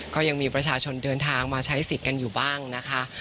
ก็ยังมีประชาชนเดินทางมาใช้สิทธิ์กันอยู่บ้างนะคะ